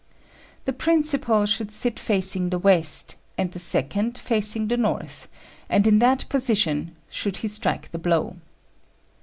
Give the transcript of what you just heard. The principal should sit facing the west, and the second facing the north, and in that position should he strike the blow.